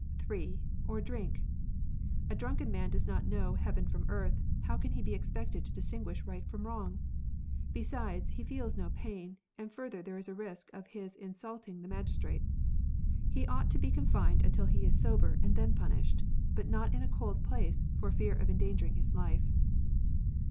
] (3.) Or drink. [A drunken man doesn't know heaven from earth, how can he be expected to distinguish right from wrong ] Besides he feels no pain, and further there is a risk of his insulting the magistrate. He ought to be confined until he is sober and then punished ; but not in a cold place for fear of en dangering his life.